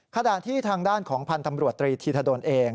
ขณะที่ทางด้านของพันธ์ตำรวจตรีธีธดลเอง